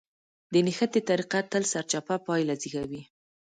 د نښتې طريقه تل سرچپه پايله زېږوي.